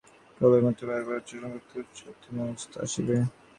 কেবল ঐ মন্ত্রের বার বার উচ্চারণে ভক্তির উচ্চতম অবস্থা আসিবে।